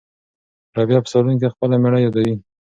رابعه په صالون کې خپله مېړه یادوي.